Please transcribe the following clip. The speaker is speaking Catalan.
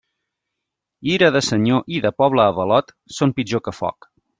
Ira de senyor i de poble avalot, són pitjor que foc.